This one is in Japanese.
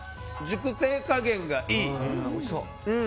熟成加減がいい。